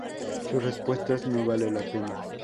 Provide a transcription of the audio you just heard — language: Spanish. Sus respuestas no vale la pena.